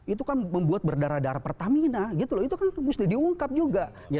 itu kan membuat berdarah darah pertamina itu kan harus diungkap juga